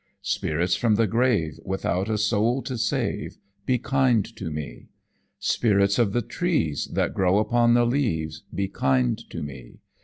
"Spirits from the grave Without a soul to save, Be kind to me. "Spirits of the trees That grow upon the leas, Be kind to me.